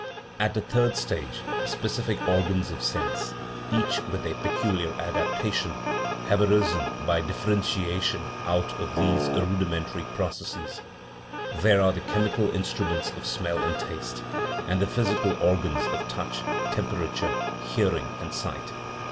At the third stage specific organs of sense, each with a peculiar adaptation, have arisen by differentia tion out of these rudimentary processes : there are the chemical instruments of smell and taste, and the phys ical organs of touch, temperature, hearing, and sight.